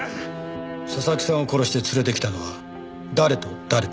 佐々木さんを殺して連れて来たのは誰と誰だ？